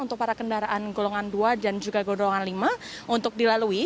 untuk para kendaraan golongan dua dan juga golongan lima untuk dilalui